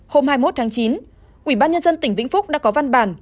hôm hai mươi một tháng chín ủy ban nhân dân tỉnh vĩnh phúc đã có văn bản